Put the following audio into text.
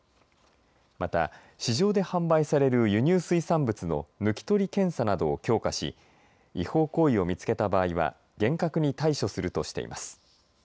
また、市場で販売される輸入水産物の抜き取り検査などを強化し違法行為を見つけた場合は厳格に対処するとしています。